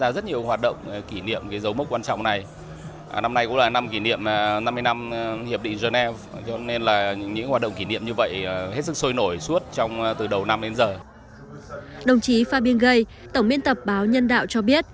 đồng chí fabien gay tổng biên tập báo nhân đạo cho biết